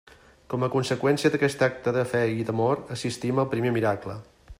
Com a conseqüència d'aquest acte de fe i d'amor assistim al primer miracle.